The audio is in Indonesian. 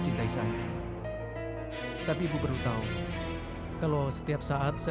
sejak aku berambil saja